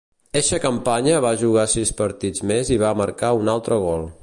Eixa campanya va jugar sis partits més i va marcar un altre gol.